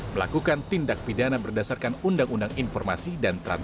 melakukan tindak pidana berdasarkan undang undang informasi dan transaksi